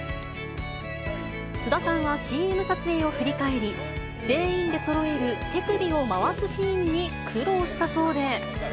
菅田さんはＣＭ撮影を振り返り、全員でそろえる手首を回すシーンに苦労したそうで。